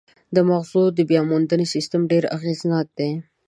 د مغزو د بیاموندنې سیستم ډېر اغېزناک دی.